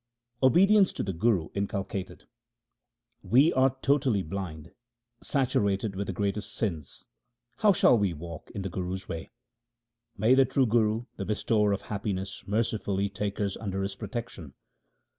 Obedience to the Guru inculcated :— We are totally blind, saturated with the greatest sins ; how shall we walk in the Guru's way ? May the true Guru, the bestower of happiness, mercifully take us under his protection